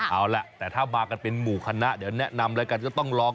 เอาล่ะแต่ถ้ามากันเป็นหมู่คณะเดี๋ยวแนะนำรายการก็ต้องลอง